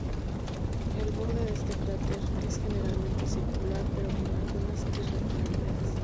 El borde de este cráter es generalmente circular, pero con algunas irregularidades.